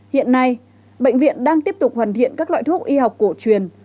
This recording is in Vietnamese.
hiện nay bệnh viện đang tiếp tục hoàn thiện các loại thuốc y học cổ truyền